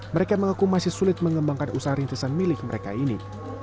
mereka mengaku masih sulit mengembangkan usaha rintisan milik mereka ini